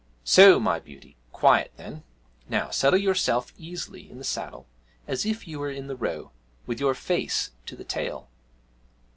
So, my beauty, quiet, then! Now settle yourself easily in the saddle, as if you were in the Row, with your face to the tail.'